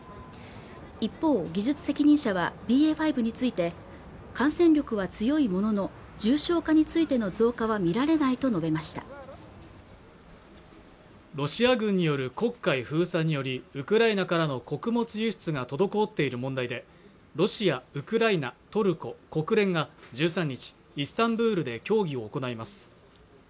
一方技術責任者はＢＡ．５について感染力は強いものの重症化についての増加は見られないと述べましたロシア軍による黒海封鎖によりウクライナからの穀物輸出が滞っている問題でロシア、ウクライナ、トルコ、国連が１３日イスタンブールで協議を行います